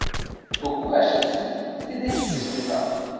Beaucoup à Chelsea étaient déçus de son départ.